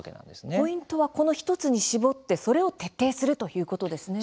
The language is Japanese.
ポイントはこの１つに絞ってそれを徹底するということですね。